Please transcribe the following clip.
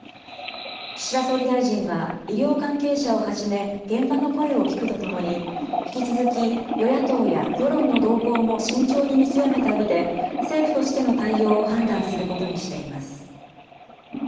岸田総理大臣は医療関係者をはじめ、現場の声を聞くとともに、引き続き与野党や世論の動向も慎重に見極めたうえで、政府としての対応を判断することにしています。